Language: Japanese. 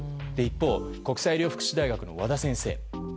一方、国際医療福祉大学の和田先生。